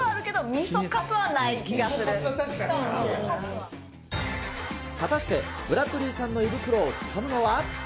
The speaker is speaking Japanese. みそカツは確かにな。果たして、ブラットリーさんの胃袋をつかむのは？